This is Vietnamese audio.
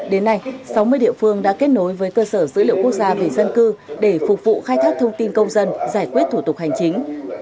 đến nay sáu mươi địa phương đã kết nối với cơ sở dữ liệu quốc gia về dân cư để phục vụ khai thác thông tin công dân giải quyết thủ tục hành chính